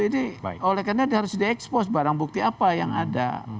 ini oleh karena harus di expose barang bukti apa yang ada